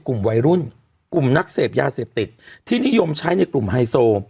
กลุ่มวัยรุ่นกลุ่มนักเสพยาเสพติดที่นิยมใช้ในกลุ่มไฮโซ